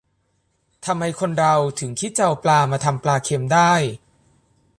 ทำไมคนเราถึงคิดจะเอาปลามาทำปลาเค็มได้